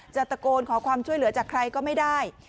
จะตะโกนขอความช่วยเหลือจากใครก็ไม่ได้